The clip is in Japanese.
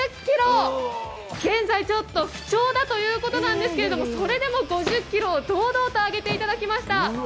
現在、不調だということなんですけど、それでも５０ｋｇを堂々とあげていただきました。